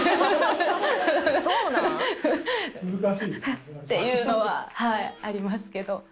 「あっ」っていうのはありますけど。